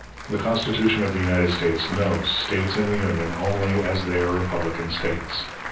The Constitution of the United States knows States in the Union only as they are republican States.